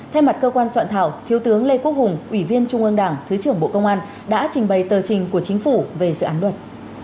thay mặt cơ quan soạn thảo thiếu tướng lê quốc hùng ủy viên trung ương đảng thứ trưởng bộ công an đã trình bày tờ trình của chính phủ về dự án luật